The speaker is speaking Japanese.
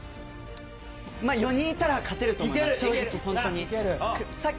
４人いたら勝てると思います、正直。